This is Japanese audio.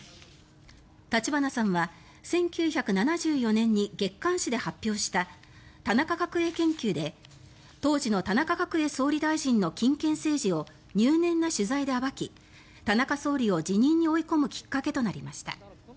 立花さんは１９７４年に月刊誌で発表した「田中角栄研究」で当時の田中角栄総理大臣の金権政治を入念な取材で暴き田中総理を辞任に追い込むきっかけとなりました。